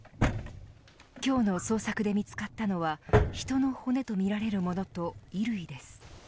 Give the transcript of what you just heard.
今日の捜索で見つかったのは人の骨とみられるものと衣類です。